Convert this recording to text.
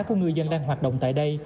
của người dân đang hoạt động tại đây